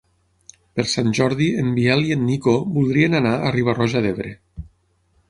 Per Sant Jordi en Biel i en Nico voldrien anar a Riba-roja d'Ebre.